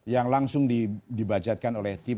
yang langsung dibajatkan oleh tim